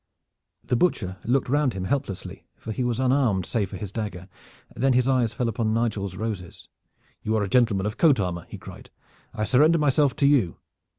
The Butcher looked round him helplessly, for he was unarmed save for his dagger. Then his eyes fell upon Nigel's roses. "You are a gentleman of coat armor," he cried. "I surrender myself to you."